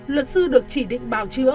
luật sư được chỉ định bào chữa